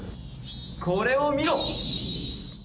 これを見ろ！